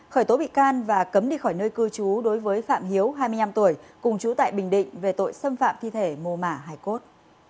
khởi tố bị can và cấm đi khỏi nơi cư trú đối với phạm hiếu hai mươi năm tuổi cùng chú tại bình định về tội xâm phạm thi thể mô mả hải cốt